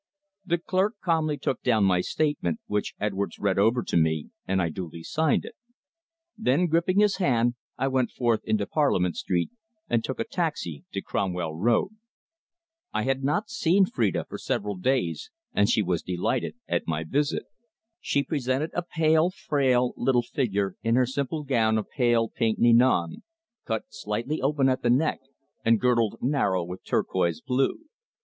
The clerk calmly took down my statement, which Edwards read over to me, and I duly signed it. Then, gripping his hand, I went forth into Parliament Street, and took a taxi to Cromwell Road. I had not seen Phrida for several days, and she was delighted at my visit. She presented a pale, frail, little figure in her simple gown of pale pink ninon, cut slightly open at the neck and girdled narrow with turquoise blue.